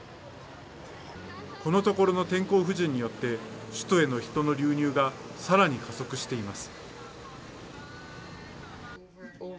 このところの天候不順によって、首都への人の流入がさらに加速しています。